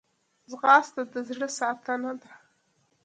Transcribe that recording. ځغاسته د زړه ساتنه ده